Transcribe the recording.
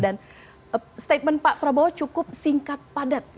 dan statement pak prabowo cukup singkat padat